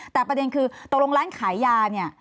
แต่ประเด็นคือตรงร้านขายยา